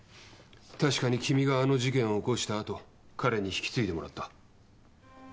確かに君があの事件を起こしたあと彼に引き継いでもらった。